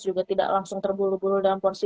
juga tidak langsung terbulu bulu dalam porsi